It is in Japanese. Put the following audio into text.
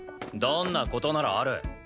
どんな事ならある？